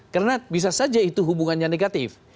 karena bisa saja itu hubungannya negatif